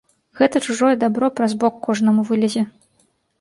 Гэта чужое дабро праз бок кожнаму вылезе.